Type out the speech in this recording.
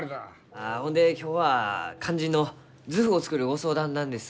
あほんで今日は肝心の図譜を作るご相談なんですが。